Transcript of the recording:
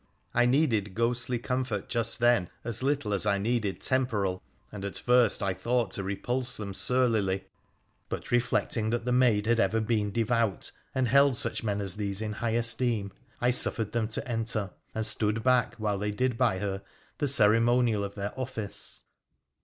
I needed ghostly comfort just then as little as I needed temporal, and at first I thought to repulse them surlily ; but, reflecting that the maid had ever been devout and held such men as these in high esteem, I suffered them to enter, and stood back while they did by her the ceremonial of their office.